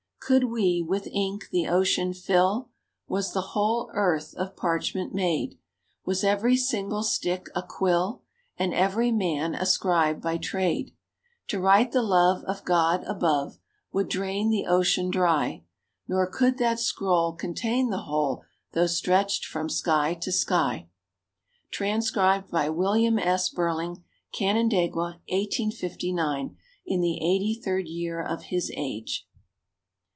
Could we with ink the ocean fill, Was the whole earth of parchment made, Was every single stick a quill, And every man a scribe by trade; To write the love of God above Would drain the ocean dry; Nor could that scroll contain the whole Though stretched from sky to sky. Transcribed by William S. Burling, Canandaigua, 1859, in the 83rd year of his age.